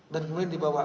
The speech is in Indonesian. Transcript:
dan kemudian dibawa